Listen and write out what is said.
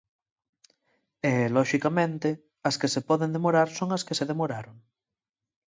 E, loxicamente, as que se poden demorar son as que se demoraron.